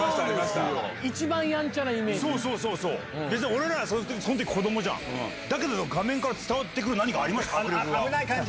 俺らそん時子供じゃんだけど画面から伝わってくる何かありましたよ。